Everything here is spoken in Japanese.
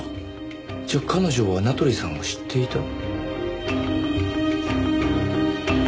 じゃ彼女は名取さんを知っていた？